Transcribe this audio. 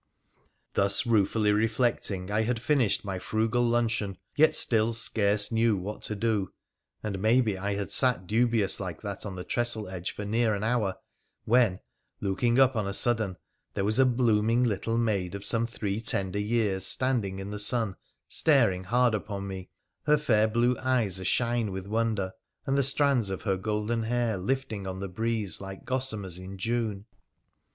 Thus ruefully reflecting, I had finished my frugal luncheon, yet still scarce knew what to do, and maybe I had sat dubious like that on the trestle edge for near an hour, when, looking up on a sudden, there was a blooming little maid of some three tender years standing in the sun staring hard upon me, her fair blue eyes a shine with wonder, and the strands of her golden hair lifting on the breeze like gossamers in June.